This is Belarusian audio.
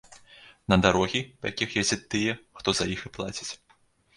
На дарогі, па якіх ездзяць тыя, хто за іх і плаціць.